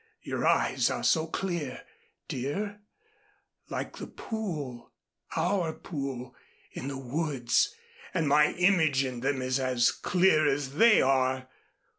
Your eyes are so clear, dear, like the pool our pool in the woods and my image in them is as clear as they are.